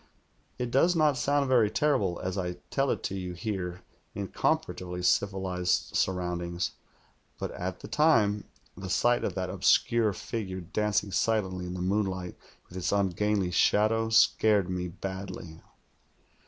It does not sound very terrible, as I tell it to you here in comparatively civilized surroundings; but at the time, the sight of that obscure figiu*e dancing silently in the moonlight with its ungainly shadow scared me badly.